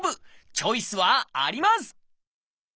チョイスはあります！